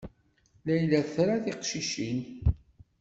Layla tra tiqcicin.